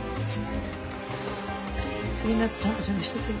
次のやつちゃんと準備しときや。